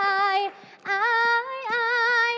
อายอาย